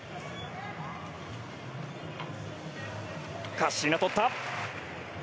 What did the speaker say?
カッシーナ、取った！